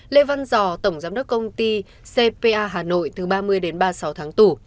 lê văn giò tổng giám đốc công ty cpa hà nội từ ba mươi đến ba mươi sáu tháng tù